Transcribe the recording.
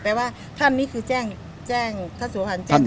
แปลว่าท่านนี้คือแจ้งท่านสุวรรณแจ้งท่านแล้ว